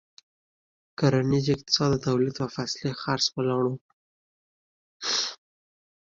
کرنیز اقتصاد د تولید په فصلي څرخ ولاړ و.